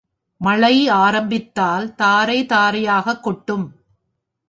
மழை ஆரம்பித்தால் தாரை தாரையாகக் கொட்டும்.